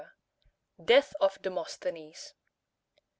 CV. DEATH OF DEMOSTHENES.